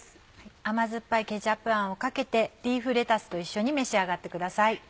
甘酸っぱいケチャップあんをかけてリーフレタスと一緒に召し上がってください。